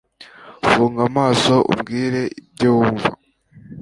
Funga amaso umbwire ibyo wumva